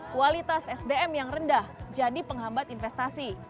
kualitas sdm yang rendah jadi penghambat investasi